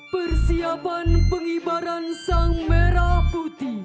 persiapan pengibaran sang merah putih